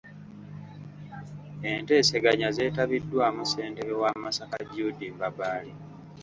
Enteeseganya zeetabiddwamu ssentebe wa Masaka Jude Mbabaali.